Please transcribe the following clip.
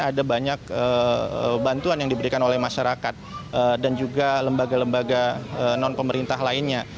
ada banyak bantuan yang diberikan oleh masyarakat dan juga lembaga lembaga non pemerintah lainnya